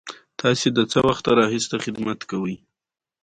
ازادي راډیو د طبیعي پېښې په اړه د حکومت اقدامات تشریح کړي.